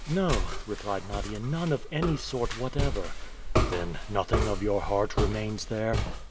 "No," replied Nadia, "none of any sort whatever." "Then, nothing of your heart remains there?"